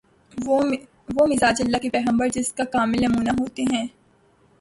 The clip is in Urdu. وہ مزاج‘ اللہ کے پیغمبر جس کا کامل نمونہ ہوتے ہیں۔